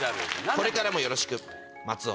「これからもよろしく松尾」。